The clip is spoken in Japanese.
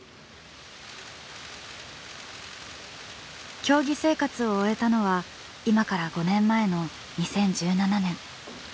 競技生活を終えたのは今から５年前の２０１７年。